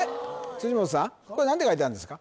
辻本さんこれ何て書いてあるんですか？